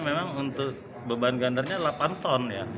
memang untuk beban gandarnya delapan ton ya